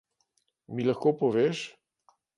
Mi lahko poveš?